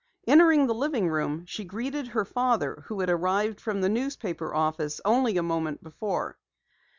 Entering the living room, she greeted her father who had arrived from the newspaper office only a moment before.